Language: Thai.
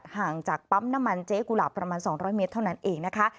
ห่างจากปั๊มน้ำมันเจ๊กุหลาบประมาณ๒๐๐เมตรเท่านั้นเองนะคะ